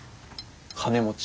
金持ち。